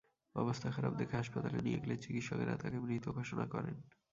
অবস্থা খারাপ দেখে হাসপাতালে নিয়ে গেলে চিকিৎসকেরা তাঁকে মৃত ঘোষণা করেন।